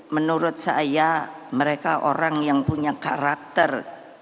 menurut saya mereka orang yang punya karakter